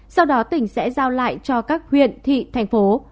sau đó tỉnh sẽ giao lại cho các huyện thị thành phố